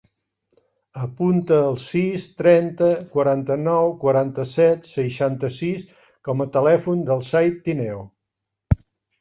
Apunta el sis, trenta, quaranta-nou, quaranta-set, seixanta-sis com a telèfon del Zaid Tineo.